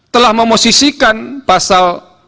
telah memosisikan pasal satu